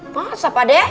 masa pak de